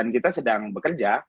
kita sedang bekerja